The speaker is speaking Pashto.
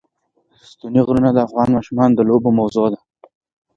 ستوني غرونه د افغان ماشومانو د لوبو موضوع ده.